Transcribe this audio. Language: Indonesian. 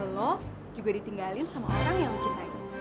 lo juga ditinggalin sama orang yang lo cintanya